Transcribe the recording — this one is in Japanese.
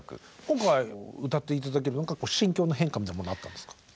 今回歌って頂けるのは心境の変化みたいなものはあったんですか？